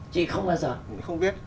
chị không bao giờ